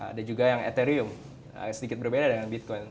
ada juga yang etherium sedikit berbeda dengan bitcoin